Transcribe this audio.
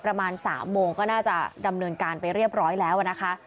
ประมาณ๓โมงก็น่าจะดำเนินการไปเรียบร้อยแล้วนะคะ